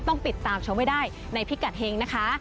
ต้องติดตามชมให้ได้ในพิกัดเฮงนะคะ